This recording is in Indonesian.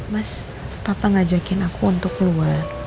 mas papa ngajakin aku untuk keluar